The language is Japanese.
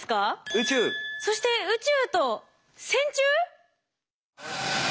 そして宇宙と線虫？